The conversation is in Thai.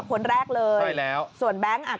คนแรกเลยส่วนแบงค์